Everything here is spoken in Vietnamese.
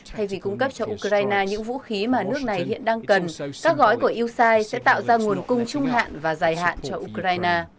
thay vì cung cấp cho ukraine những vũ khí mà nước này hiện đang cần các gói của yeosite sẽ tạo ra nguồn cung trung hạn và dài hạn cho ukraine